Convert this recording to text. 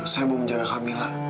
saya mau menjaga camilla